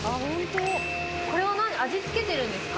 これは味付けてるんですか？